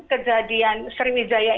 kejadian sriwijaya ini